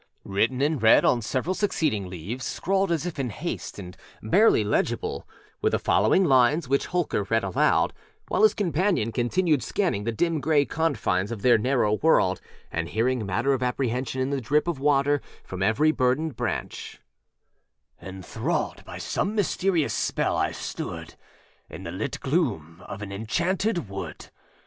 â Written in red on several succeeding leavesâscrawled as if in haste and barely legibleâwere the following lines, which Holker read aloud, while his companion continued scanning the dim gray confines of their narrow world and hearing matter of apprehension in the drip of water from every burdened branch: âEnthralled by some mysterious spell, I stood In the lit gloom of an enchanted wood.